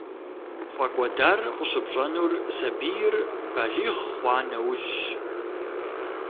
ПфӀэкӀуэдар къыщыпщӀэнур сабийр балигъ хъуа нэужьщ.